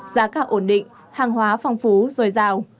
giá cả ổn định hàng hóa phong phú dồi dào